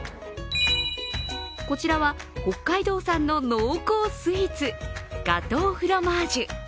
こちらは、北海道産の濃厚スイーツ、ガトーフロマージュ。